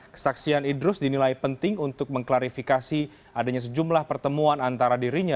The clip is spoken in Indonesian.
kesaksian idrus dinilai penting untuk mengklarifikasi adanya sejumlah pertemuan antara dirinya